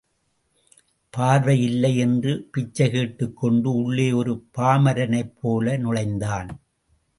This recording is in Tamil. பார்வை இல்லை என்று பிச்சைகேட்டுக் கொண்டு உள்ளே ஒரு பாமரனைப்போல நுழைந்தான்.